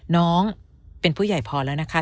น้องเป็นผู้ใหญ่พอแล้วนะคะ